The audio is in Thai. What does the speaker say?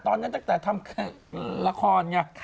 ตอนนั้นตั้งแต่ทำละคร